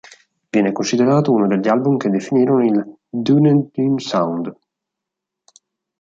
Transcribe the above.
Viene considerato uno degli album che definirono il Dunedin sound.